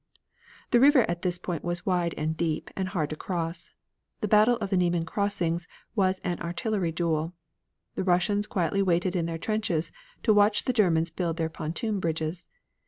The river at this point was wide and deep, and hard to cross. The battle of the Niemen Crossings was an artillery duel. The Russians quietly waited in their trenches to watch the Germans build their pontoon bridges.